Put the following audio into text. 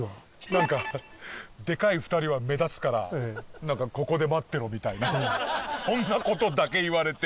なんかでかい２人は目立つからここで待ってろみたいなそんな事だけ言われて。